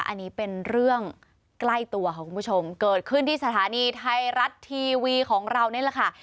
อันนี้เป็นเรื่องใกล้ตัวค่ะคุณผู้ชมเกิดขึ้นที่สถานีไทยรัฐทีวีของเรานี่แหละค่ะ